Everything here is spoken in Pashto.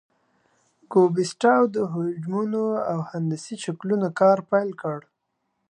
کوبیسټاو د حجمونو او هندسي شکلونو کار پیل کړ.